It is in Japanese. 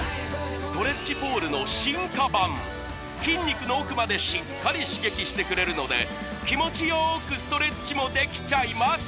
ストレッチポールの進化版筋肉の奥までしっかり刺激してくれるので気持ちよくストレッチもできちゃいます